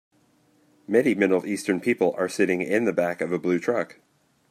Many middle eastern people are sitting in the back of a blue truck.